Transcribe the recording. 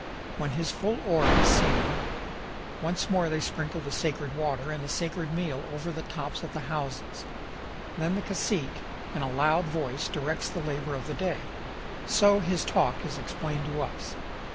When his full orb is seen, once more they sprinkle the sacred water and the sacred meal over the tops of the houses. Then the cacique in a loud voice directs the labor of the day. So his talk is explained to us.